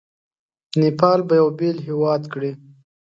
نیپال به یو بېل هیواد کړي.